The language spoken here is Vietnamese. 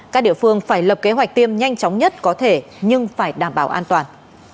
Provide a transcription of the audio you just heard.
các địa phương phải lập kế hoạch tiêm nhanh chóng nhất có thể nhưng phải đảm bảo an toàn